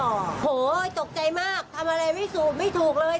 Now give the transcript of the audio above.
โอ้โฮตกใจมากทำอะไรไม่ถูกเลย